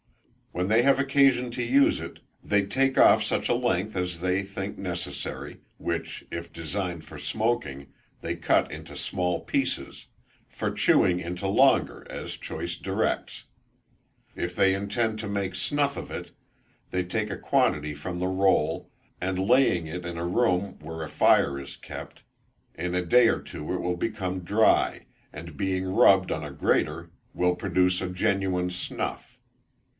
When they have occasion to use it, they take off such a length as they think necessary, which, if designed for smoking, they cut into small pieces, for chewing into longer, as choice directs; if they intend to make snuff of it they take a quantity from the roll, and laying it in a room where a fire is kept, in a day or two it will become dry, and being rubbed on a grater will produce a genuine snuff.